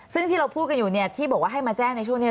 ซึ่งที่เราพูดกันอยู่เนี่ยที่บอกว่าให้มาแจ้งในช่วงนี้